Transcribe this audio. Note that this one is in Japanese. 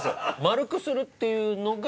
丸くするっていうのが難しい？